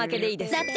だって！